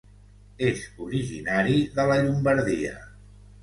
És originari de la Llombardia.